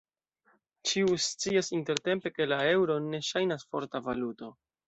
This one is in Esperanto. Ĉiu scias intertempe ke la eŭro ne ŝajnas forta valuto.